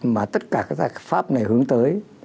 mà tất cả các giải pháp này hướng tới